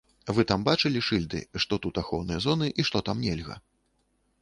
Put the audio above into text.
Вы там бачылі шыльды, што тут ахоўныя зоны і што там нельга?